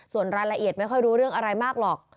ส่วนรายละเอียดไม่ค่อยรู้เรื่องอะไรมากหรอก